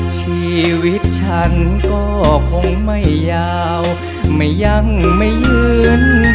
ชีวิตฉันก็คงไม่ยาวไม่ยังไม่ยืน